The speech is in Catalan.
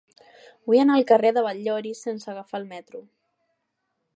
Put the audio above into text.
Vull anar al carrer de Batllori sense agafar el metro.